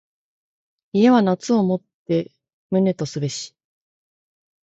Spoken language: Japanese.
家は夏をもって旨とすべし。